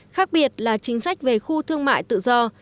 khác biệt là chính sách về khu thương mại tự do